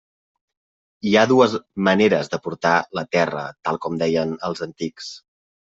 Hi ha dues maneres de portar la terra, tal com deien els antics.